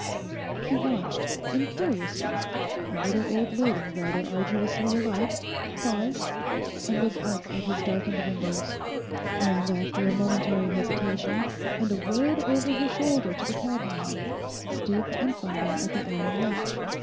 He watched incuriously a little old lady rather arduously alight, pause, and look up at his darkened windows, and after a momentary hesitation, and a word over her shoulder to the cabman, stoop and fumble at the iron latch.